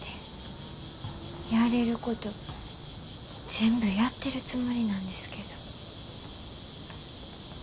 やれること全部やってるつもりなんですけど。